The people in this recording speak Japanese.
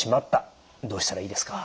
どうしたらいいですか？